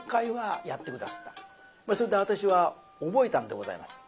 それで私は覚えたんでございます。